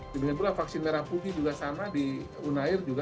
sebenarnya juga vaksin merah kuki juga sama di unair juga